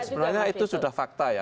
sebenarnya itu sudah fakta ya